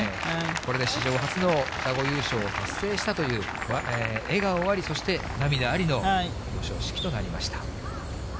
これで史上初の双子優勝を達成したという、笑顔あり、そして、涙ありの表彰式となりました。